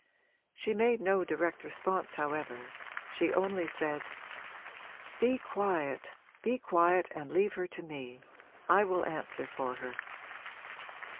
She made no direct response however; she only said 'Be quiet, be quiet and leave her to me. I will answer for her.'